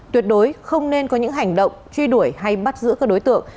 tuyệt đối không nên có những hành động truy đuổi hay bắt giữ các đối tượng